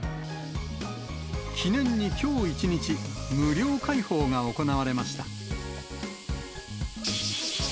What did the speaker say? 記念にきょう一日、無料開放が行われました。